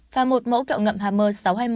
và một mẫu kẹo ngậm hammer sáu trăm hai mươi một